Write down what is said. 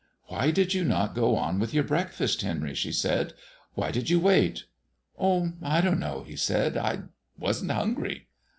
"Why did you not go on with your breakfast, Henry?" she said; "why did you wait?" "Oh, I don't know," he said. "I wasn't hungry."